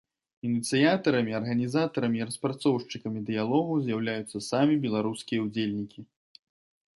Ініцыятарамі, арганізатарамі і распрацоўшчыкамі дыялогу з'яўляюцца самі беларускія ўдзельнікі.